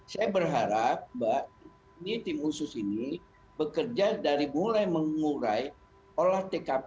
saya berharap mbak ini tim khusus ini bekerja dari mulai mengurai olah tkp